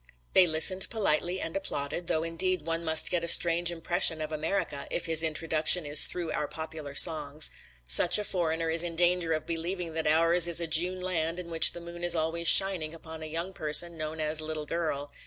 They listened politely and applauded, though indeed one must get a strange impression of America if his introduction is through our popular songs. Such a foreigner is in danger of believing that ours is a June land in which the moon is always shining upon a young person known as "little girl."